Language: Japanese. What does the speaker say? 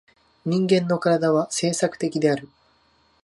人間の身体は制作的である。